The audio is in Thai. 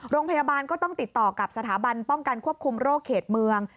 โรงพยาบาลก็ต้องติดต่อกับสถาบันป้องกันควบคุมโรคเขตเมือง